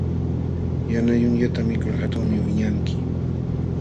Yana yunyata mikul hatunmi wiñanki.